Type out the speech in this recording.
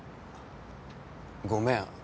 ごめん。